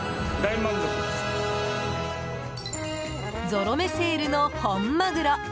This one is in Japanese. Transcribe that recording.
ゾロ目セールの本マグロ。